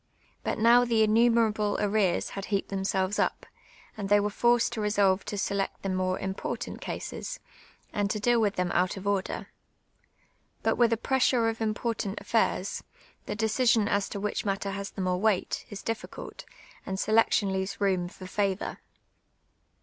lUit now the innumerable arrears had heaped themselves up, aiul they were forced to resolve to select the more imj)ortant casis, and to deal with them out of ordir. But with a pressure of important aftairs, the decision as to which matter has the more weight, is difficult, and selection leaves room for favour.